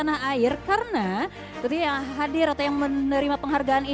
ada dari jakarta ada dari jakarta ada dari jakarta